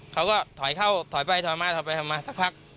เขาก็ถอยเข้าถอยไปถอยมาถอยไปถอยมาสักพัก